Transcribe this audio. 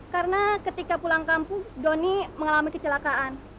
karena ketika pulang kampung doni mengalami kecelakaan